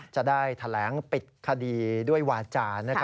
จะได้แถลงปิดคดีด้วยวาจา